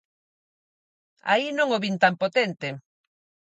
Aí non o vin tan potente.